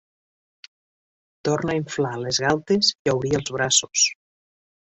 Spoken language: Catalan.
Torna a inflar les galtes i a obrir els braços.